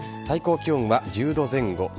最高気温は１０度前後。